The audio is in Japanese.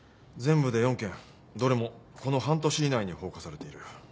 全部で４件どれもこの半年以内に放火されている。